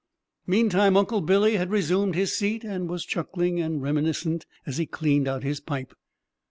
Meantime, Uncle Billy had resumed his seat and was chuckling and reminiscent as he cleaned out his pipe.